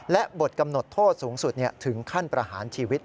และบทกำหนดโทษสูงสุดถึงขั้นประหารชีวิต